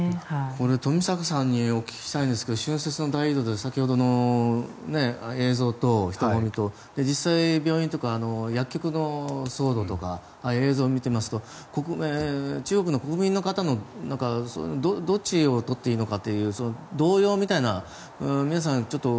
冨坂さんにお聞きしたいんですけど春節の大移動で先ほどの映像と人混みと実際、病院とか薬局の騒動とかああいう映像を見ていますと中国の国民の方のどっちを取っていいのかっていう動揺みたいな皆さん